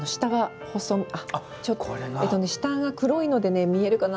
下が黒いので見えるかな？